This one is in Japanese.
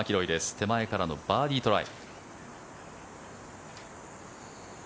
手前からのバーディートライ。